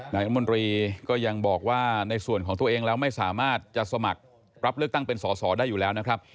รัฐมนตรีก็ยังบอกว่าในส่วนของตัวเองแล้วไม่สามารถจะสมัครรับเลือกตั้งเป็นสอสอได้อยู่แล้วนะครับ